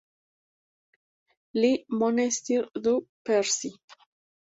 Le Monestier-du-Percy